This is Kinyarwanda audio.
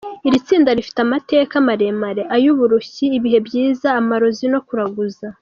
Iri tsinda rifite amateka maremare; ay’uburushyi, ibihe byiza, amarozi no kuraguza.